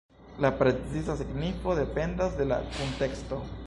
La preciza signifo dependas de la kunteksto.